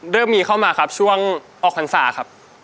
เริ่มมีเข้ามาครับช่วงออกพรรษาครับ